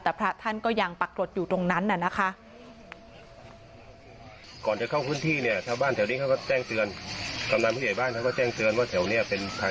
แต่พระท่านก็ยังปรากฏอยู่ตรงนั้นน่ะนะคะ